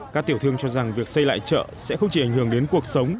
các tiểu thương cho rằng việc xây lại chợ sẽ không chỉ ảnh hưởng đến cuộc sống